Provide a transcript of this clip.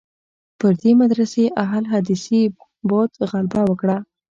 پر دې مدرسې اهل حدیثي بعد غلبه وکړه.